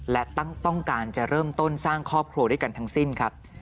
และต้องการจะเริ่มต้นสร้างครอบครัวด้วยกันทั้งสิ้นครับ